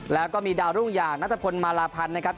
แล้วก็มีดาวรุ่งอย่างนัทพลมาลาพันธ์นะครับ